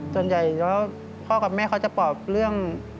ส่วนใหญ่ก็พ่อกับแม่เขาจะปลอบเรื่อง